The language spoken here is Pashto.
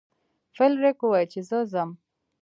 فلیریک وویل چې زه ځم.